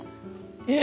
えっ？